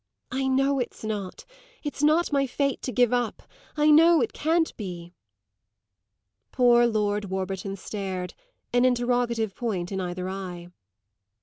"I know it's not. It's not my fate to give up I know it can't be." Poor Lord Warburton stared, an interrogative point in either eye.